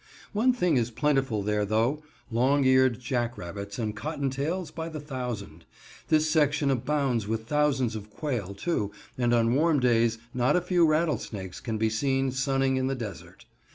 One thing is plentiful there, though long eared jack rabbits and cotton tails by the thousand. This section abounds with thousands of quail, too, and on warm days not a few rattlesnakes can be seen sunning in the desert.